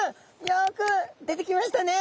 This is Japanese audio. よく出てきましたね。